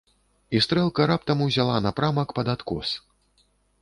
І стрэлка раптам узяла напрамак пад адкос.